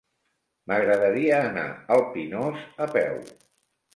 M'agradaria anar al Pinós a peu.